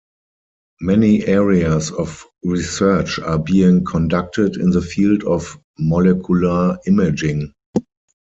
Many areas of research are being conducted in the field of molecular imaging.